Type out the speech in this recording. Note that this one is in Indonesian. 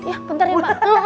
ya bentar ya mbak